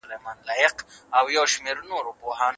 آیا غڼه تر چینجي ډېر تارونه جوړوي؟